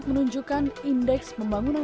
mamanya tidak bambera